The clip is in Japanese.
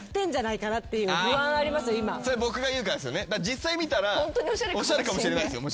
実際見たらおしゃれかもしれないですよ